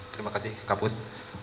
terima kasih kak bus